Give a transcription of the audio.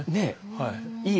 はい。